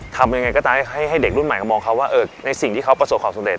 ทำยังไงก็ตามให้เด็กรุ่นใหม่มามองเขาว่าในสิ่งที่เขาประสบความสำเร็